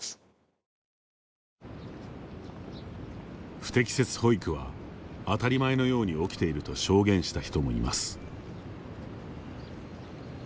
不適切保育は当たり前のように起きていると証言した人もいます。